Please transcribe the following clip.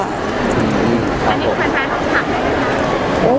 อันนี้คุณค้าไข่ห้องหา้มได้ไม่คะ